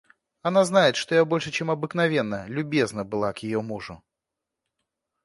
Она знает, что я больше, чем обыкновенно, любезна была к ее мужу.